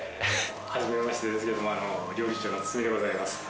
はじめまして料理長の堤でございます。